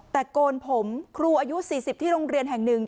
โกนผมครูอายุ๔๐ที่โรงเรียนแห่งหนึ่ง